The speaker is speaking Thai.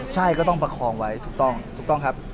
ใช่ก็ต้องประคองไว้ถูกต้องครับ